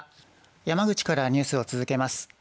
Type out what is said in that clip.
山口からニュースを続けます。